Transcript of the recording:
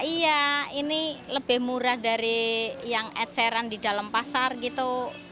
iya ini lebih murah dari yang ed seran di dalam pasar gitu